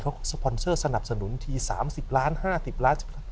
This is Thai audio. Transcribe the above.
เขาสปอนเซอร์สนับสนุนที๓๐ล้าน๕๐ล้าน